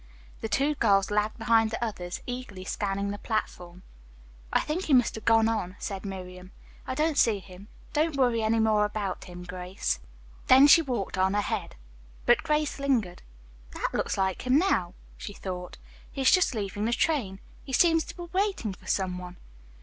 The two girls lagged behind the others, eagerly scanning the platform. "I think he must have gone on," said Miriam. "I don't see him. Don't worry any more about him, Grace." Then she walked on ahead. But Grace lingered. "That looks like him now," she thought. "He is just leaving the train. He seems to be waiting for some one."